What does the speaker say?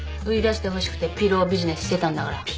売り出してほしくてピロービジネスしてたんだから。